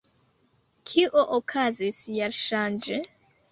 Kio okazis jarŝanĝe?